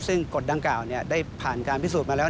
ซึ่งกฎดังกล่าวได้ผ่านการพิสูจน์มาแล้ว